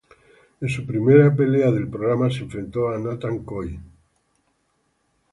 En su primera pelea del programa se enfrentó a Nathan Coy.